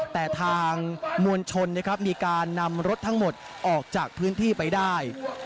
แต่ทางมวลชนนะครับมีการนำรถทั้งหมดออกจากพื้นที่ไปได้